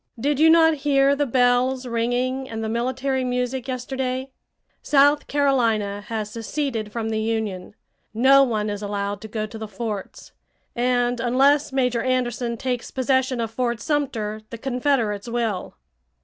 "Did you not hear the bells ringing and the military music yesterday? South Carolina has seceded from the Union. No one is allowed to go to the forts. And unless Major Anderson takes possession of Fort Sumter the Confederates will."